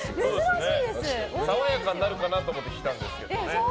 爽やかになるかなと思って着たんですけどね。